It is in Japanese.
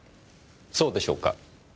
そうでしょうか？